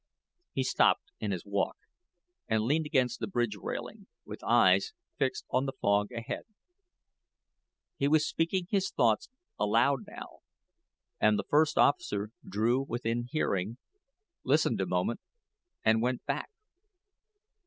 He stopped in his walk and leaned against the bridge railing, with eyes fixed on the fog ahead. He was speaking his thoughts aloud now, and the first officer drew within hearing, listened a moment, and went back.